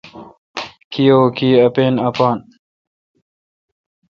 کی او کی۔ اپین اپان